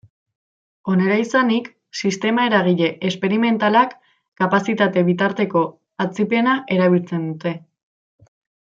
Honela izanik, sistema eragile esperimentalak kapazitate bitarteko atzipena erabiltzen dute.